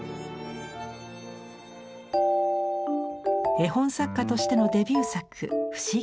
絵本作家としてのデビュー作「ふしぎなえ」。